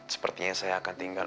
sepertinya saya akan tinggal